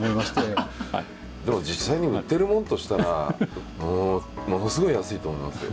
でも実際に売ってるもんとしたらものすごい安いと思いますよ。